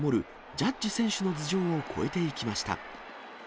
ジャッジ選手の頭上を越えていきました。